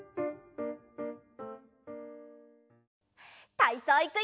たいそういくよ！